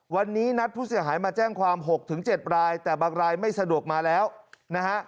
วันนี้นัดผู้เสียหายมาแจ้งความ๖๗รายแต่บางรายไม่สะดวกมาแล้วนะฮะ